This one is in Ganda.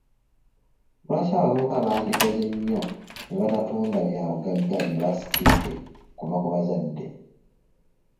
Lwaki abavubuka bandikoze nnyo ne batatunda byabugagga bye basikidde okuva ku bazadde?